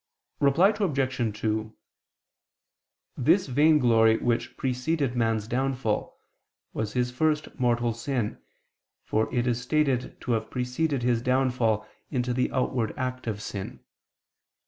Reply Obj. 2: This vainglory which preceded man's downfall, was his first mortal sin, for it is stated to have preceded his downfall into the outward act of sin.